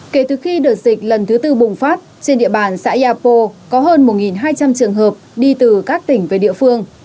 kể từ khi đợt dịch lần thứ tư bùng phát trên địa bàn xã yapo có hơn một hai trăm linh trường hợp đi từ các tỉnh về địa phương